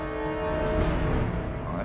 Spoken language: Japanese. あれ？